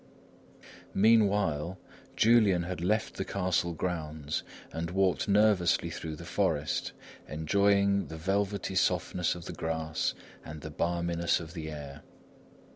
Meanwhile, Julian had left the castle grounds and walked nervously through the forest, enjoying the velvety softness of the grass and the balminess of the air.